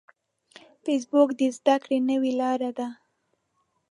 فېسبوک د زده کړې نوې لاره ده